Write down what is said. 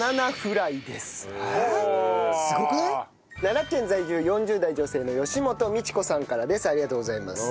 奈良県在住４０代女性の吉本路子さんからです。